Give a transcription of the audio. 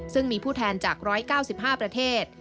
ซึ่งมีผู้แทนจาก๑๙๕ประเทศ